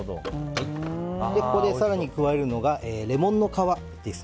ここで更に加えるのがレモンの皮です。